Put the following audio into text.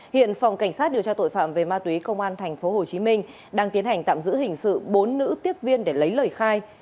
hiện phòng cảnh sát điều tra tội phạm về ma túy công an tp hcm đang tiến hành tạm giữ hình sự bốn nữ tiếp viên để lấy lời khai